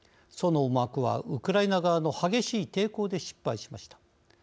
その思惑はウクライナ側の激しい抵抗で失敗しました。